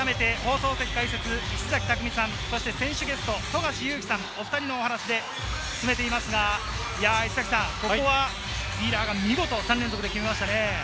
改めて放送席解説、石崎巧さん、選手ゲスト・富樫勇樹さん、お２人のお話で進めていますが、石崎さん、ここはフィーラーが見事３連続で決めましたね。